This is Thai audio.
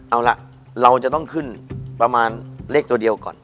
เอาล่ะเราจะต้องขึ้นประมาณเลขตัวเดียวก่อน